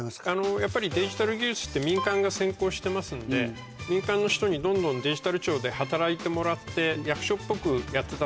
やっぱりデジタル技術って民間が先行してますので民間の人にどんどんデジタル庁で働いてもらって。